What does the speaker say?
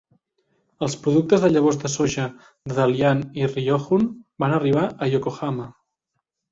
Els productes de llavors de soja de Dalian i Ryojun van arribar a Yokohama.